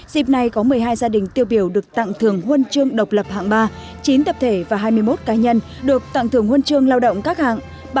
dịp này có một mươi hai gia đình tiêu biểu được tặng thưởng huân chương độc lập hạng ba chín tập thể và hai mươi một cá nhân được tặng thưởng huân chương lao động các hạng